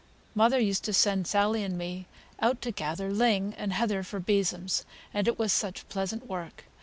Mother used to send Sally and me out to gather ling and heather for besoms, and it was such pleasant work!